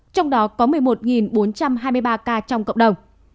trong đó có một mươi một bốn trăm hai mươi ba ca trong cộng đồng